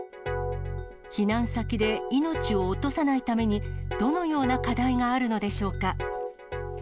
避難先で命を落とさないために、どのような課題があるのでしょうか。